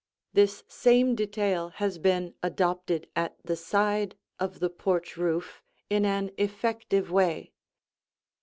This same detail has been adopted at the side of the porch roof in an effective way.